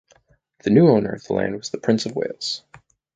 The new owner of the land was the Prince of Wales.